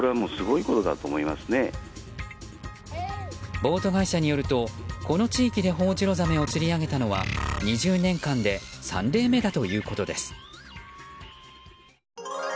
ボート会社によるとこの地域でホオジロザメを釣り上げたのは２０年間で３例目だということです。